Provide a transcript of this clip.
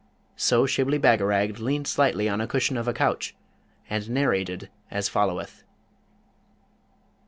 So Shibli Bagarag leaned slightly on a cushion of a couch, and narrated as followeth.